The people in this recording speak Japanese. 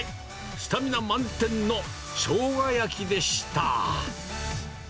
スタミナ満点のしょうが焼きでした。